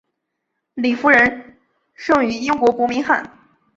李福仁生于英国伯明翰。